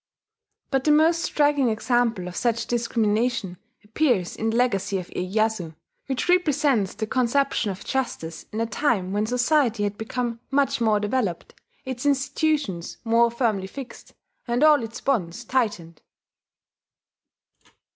But the most striking example of such discrimination appears in the Legacy of Iyeyasu, which represents the conception of justice in a time when society had become much more developed, its institutions more firmly fixed, and all its bonds tightened.